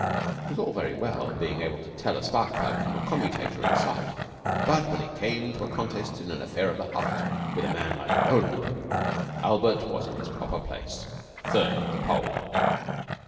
It was all very well being able to tell a spark plug from a commutator at sight, but when it came to a contest in an affair of the heart with a man like Roland, Albert was in his proper place, third at the pole.